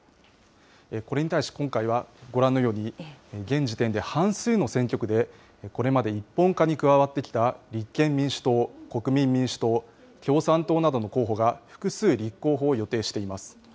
これに対し、今回は、ご覧のように、現時点で半数の選挙区で、これまで一本化に加わってきた立憲民主党、国民民主党、共産党などの候補が、複数、立候補を予定しています。